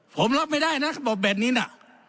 ผมรับไม่ได้นะเขาบอกแบบนี้น่ะ